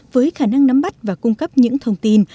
với khả năng nắm bắt và cung cấp những thông tin